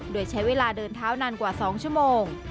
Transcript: โดยใช้เวลาเดินเท้านานกว่า๒ชั่วโมง